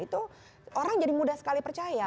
itu orang jadi mudah sekali percaya